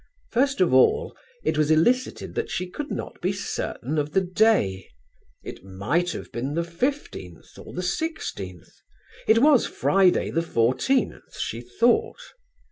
First of all it was elicited that she could not be certain of the day; it might have been the 15th or the 16th: it was Friday the 14th, she thought....